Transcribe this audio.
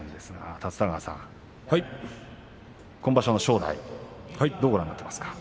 立田川さん、今場所の正代どうご覧になっていますか。